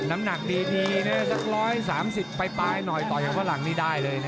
น้ำหนักดีนะสัก๑๓๐ปลายหน่อยต่ออย่างฝรั่งนี่ได้เลยนะ